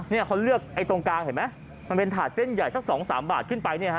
เขาเลือกไอ้ตรงกลางเห็นไหมมันเป็นถาดเส้นใหญ่สัก๒๓บาทขึ้นไปเนี่ยฮะ